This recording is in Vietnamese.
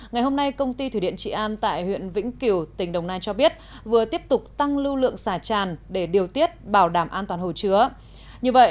ngày hôm nay công ty thủy điện trị an tại huyện vĩnh kiểu tỉnh đồng nai cho biết vừa tiếp tục tăng lưu lượng xả tràn để điều tiết bảo đảm an toàn hồ chứa